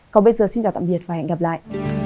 còn bây giờ xin chào tạm biệt và hẹn gặp lại